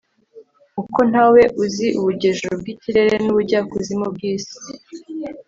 uko nta we uzi ubujyejuru bw'ikirere n'ubujyakuzimu bw'isi